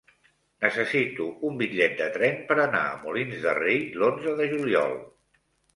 Necessito un bitllet de tren per anar a Molins de Rei l'onze de juliol.